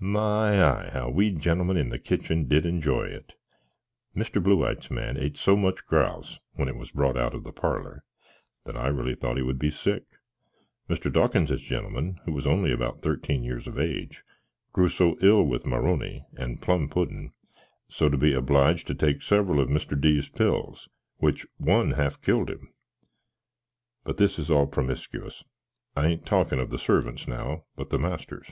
My i, how we genlmn in the kitchin did enjy it! Mr. Blewittes man eat so much grous (when it was brot out of the parlor), that I reely thought he would be sik; Mr. Dawkinses genlmn (who was only abowt 13 years of age) grew so il with M'Arony and plumb puddn, so to be obleeged to take sefral of Mr. D.'s pils, which one half kild him. But this is all promiscuous: I an't talkin of the survants now, but the masters.